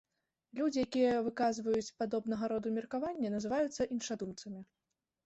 Людзі, якія выказваюць падобнага роду меркаванні, называюцца іншадумцамі.